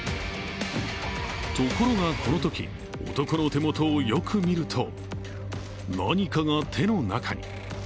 ところがこのとき、男の手元をよく見ると、何かが手の中に。